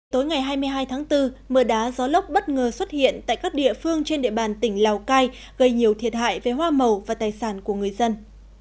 tối ngày hai mươi hai tháng bốn mưa đá gió lốc bất ngờ xuất hiện tại các địa phương trên địa bàn tỉnh lào cai gây nhiều thiệt hại về hoa màu và tài sản của người dân